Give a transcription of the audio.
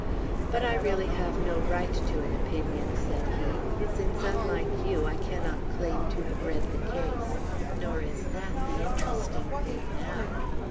"But I really have no right to an opinion," said he; "since, unlike you, I cannot claim to have read the case. Nor is that the interesting thing now."